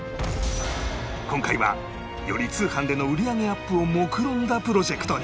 今回はより通販での売り上げアップを目論んだプロジェクトに！